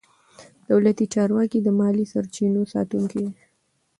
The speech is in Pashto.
دولتي چارواکي د مالي سرچینو ساتونکي دي.